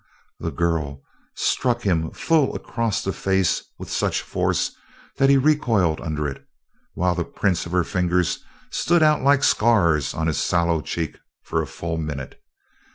The girl struck him full across the face with such force that he recoiled under it, while the prints of her fingers stood out like scars on his sallow cheek for a full minute.